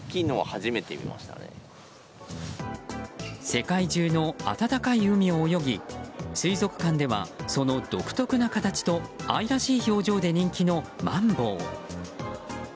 世界中の暖かい海を泳ぎ水族館では、その独特な形と愛らしい表情で人気のマンボウ。